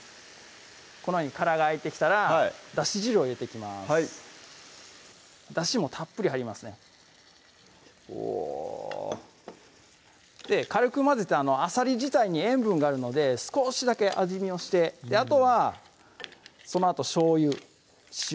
このように殻が開いてきたらだし汁を入れていきますだしもたっぷり入りますねお軽く混ぜてあさり自体に塩分があるので少しだけ味見をしてあとはそのあとしょうゆ・塩